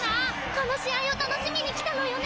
この試合を楽しみに来たのよね